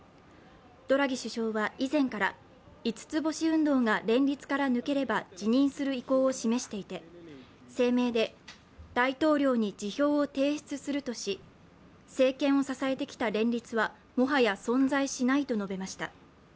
ドラギ首相は以前から五つ星運動が連立から抜ければ辞任する意向を示していて声明で大統領に辞表を提出するとし政権を支えてきた連立は、もはや存在しないと述べました。